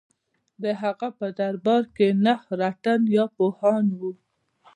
د هغه په دربار کې نهه رتن یا پوهان وو.